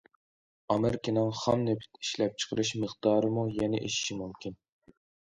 ئامېرىكىنىڭ خام نېفىت ئىشلەپچىقىرىش مىقدارىمۇ يەنە ئېشىشى مۇمكىن.